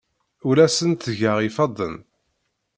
Ur asen-ttgeɣ ifadden.